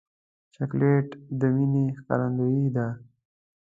چاکلېټ د مینې ښکارندویي ده.